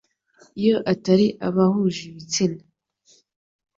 iyo atari abahuje ibitsina